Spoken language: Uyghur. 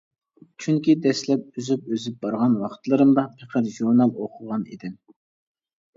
چۈنكى دەسلەپ ئۈزۈپ-ئۈزۈپ بارغان ۋاقىتلىرىمدا پەقەت ژۇرنال ئوقۇغان ئىدىم.